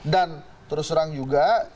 dan terus terang juga